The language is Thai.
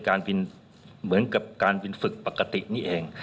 การบินเหมือนกับการบินฝึกปกตินี่เอง